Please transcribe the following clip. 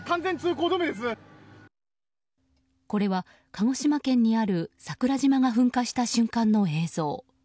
これは、鹿児島県にある桜島が噴火した瞬間の映像。